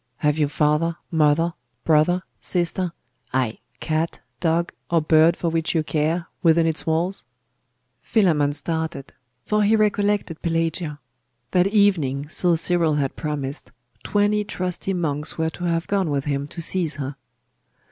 Have you father, mother, brother, sister, ay, cat, dog, or bird for which you care, within its walls?' Philammon started; for he recollected Pelagia.... That evening, so Cyril had promised, twenty trusty monks were to have gone with him to seize her.